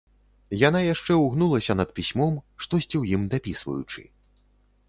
Яна яшчэ ўгнулася над пісьмом, штосьці ў ім дапісваючы.